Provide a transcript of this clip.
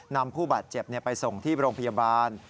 นำผู้บาดเจ็บไปส่งที่โรงพยาบาล